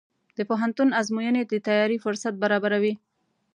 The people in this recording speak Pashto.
د پوهنتون ازموینې د تیاری فرصت برابروي.